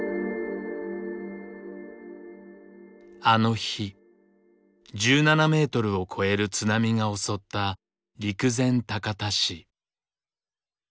あの日１７メートルを超える津波が襲った陸前高田市。